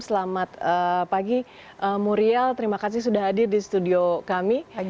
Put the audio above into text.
selamat pagi muriel terima kasih sudah hadir di studio kami